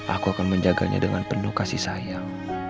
aku akan menjaganya dengan penuh kasih sayang